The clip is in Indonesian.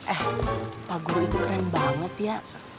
eh pak guru itu keren banget ya